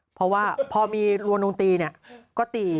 เพราะว่าพอมีรวงตีเนี่ยก็ตี